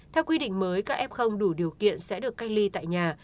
theo quy định mới ca f đủ điều kiện sẽ được cách ly tại nhà